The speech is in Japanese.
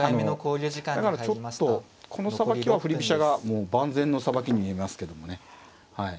だからちょっとこのさばきは振り飛車がもう万全のさばきに見えますけどもね。